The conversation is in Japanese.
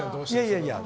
いやいや。